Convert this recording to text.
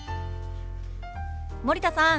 森田さん